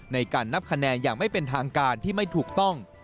ในการนับคะแนนอย่างไม่เป็นทางการที่ไม่ถูกต้อง